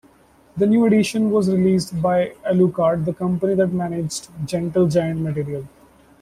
The new edition was released by Alucard, the company that managed Gentle Giant material.